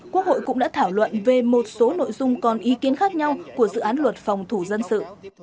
quốc hội cũng đã thảo luận về một số nội dung còn ý kiến khác nhau của dự án luật phòng thủ dân sự